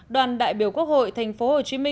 đoàn đại biểu quốc hội tp hcm